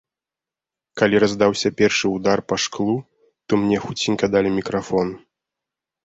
Калі раздаўся першы ўдар па шклу, то мне хуценька далі мікрафон.